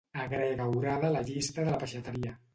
Agrega orada a la llista de la peixateria.